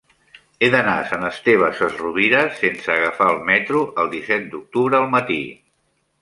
He d'anar a Sant Esteve Sesrovires sense agafar el metro el disset d'octubre al matí.